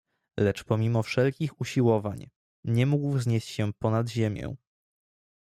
"Lecz pomimo wszelkich usiłowań, nie mógł wznieść się po nad ziemię."